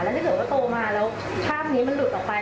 ถ้าเกิดว่าโตมาแล้วภาพนี้มันหลุดออกไป